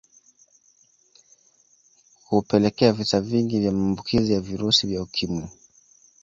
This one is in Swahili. Kupelekea visa vingi vya maambukizi ya virusi vya Ukimwi